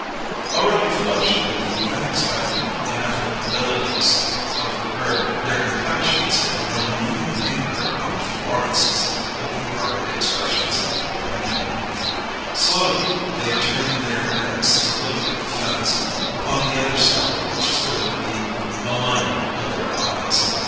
Already flushed with the unexpected ineffabilities overheard, their complexions had grown even pinker upon Florence's open hearted expressions of opinion. Slowly they turned their heads to look at the fence, upon the other side of which stood the maligner of their eyes.